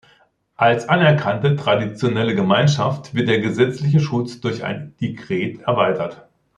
Als anerkannte traditionelle Gemeinschaft wird der gesetzliche Schutz durch ein Dekret erweitert.